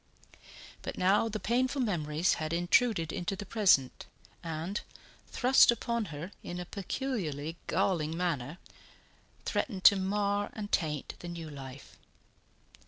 But now the painful memories had intruded into the present, and, thrust upon her in a peculiarly galling manner, threatened to mar and taint the new life.